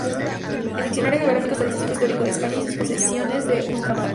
El Diccionario geográfico-estadístico-histórico de España y sus posesiones de Ultramar.